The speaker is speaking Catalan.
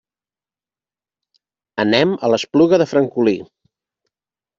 Anem a l'Espluga de Francolí.